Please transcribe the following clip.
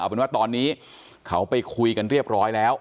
เป็นว่าตอนนี้เขาไปคุยกันเรียบร้อยแล้ว